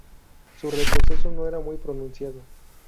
Su retroceso no era muy pronunciado.